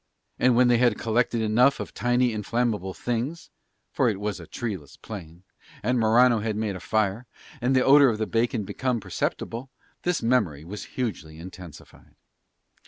And when they had collected enough of tiny inflammable things, for it was a treeless plain, and Morano had made a fire, and the odour of the bacon became perceptible, this memory was hugely intensified.